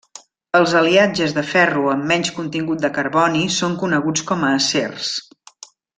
Els aliatges de ferro amb menys contingut de carboni són coneguts com a acers.